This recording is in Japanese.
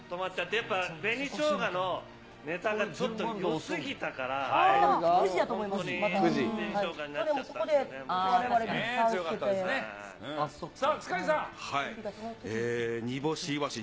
やっぱ、紅しょうがのネタが、ちょっとよすぎたから、もう本当に、紅しょうがになっちゃったんですよね、申し訳ない。